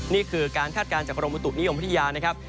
นี่คือการคาดการณ์จากกรมบุตุนิยมวิทยานะครับ